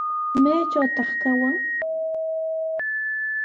¿Maytrawtaq kawan?